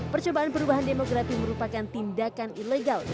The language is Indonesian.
percobaan perubahan demografi merupakan tindakan ilegal